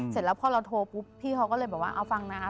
เสร็จแล้วพอเราโทรปุ๊บพี่เขาก็เลยบอกว่าเอาฟังนะคะ